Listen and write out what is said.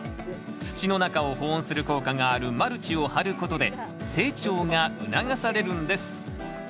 土の中を保温する効果があるマルチを張ることで成長が促されるんです